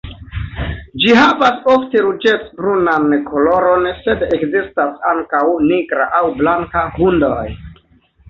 Ĝi havas ofte ruĝec-brunan koloron, sed ekzistas ankaŭ nigra aŭ blanka hundoj.